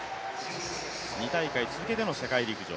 ２大会続けての世界陸上。